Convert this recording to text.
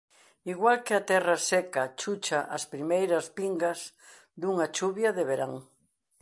Igual que a terra seca chucha as primeiras pingas dunha chuvia de verán...